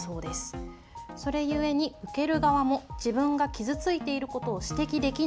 それゆえに受ける側も自分が傷ついていることを指摘できない。